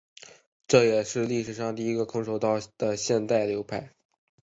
这也是历史上第一个空手道的现代流派。